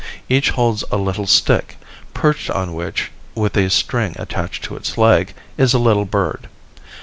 Each holds a little stick, perched on which, with a string attached to its leg, is a little bird.